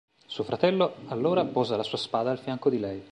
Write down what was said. Suo fratello allora posa la sua spada al fianco di lei.